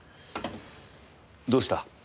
どうした？